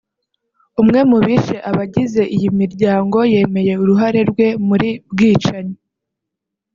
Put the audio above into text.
umwe mu bishe abagize iyi miryango yemeye uruhare rwe muri bwicanyi